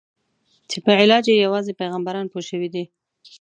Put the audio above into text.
چې په علاج یې یوازې پیغمبران پوه شوي دي.